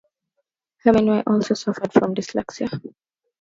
Hemingway also suffered from dyslexia.